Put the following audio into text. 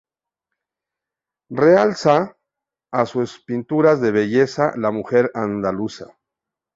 Realza en sus pinturas la belleza de la mujer andaluza.